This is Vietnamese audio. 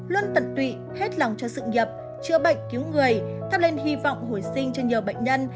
luôn tận tụy hết lòng cho sự nghiệp chữa bệnh cứu người thắp lên hy vọng hồi sinh cho nhiều bệnh nhân